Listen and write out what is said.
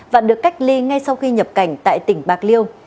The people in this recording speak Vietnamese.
và được cách ly ngay sau khi nhập cảnh tại tỉnh bạc liêu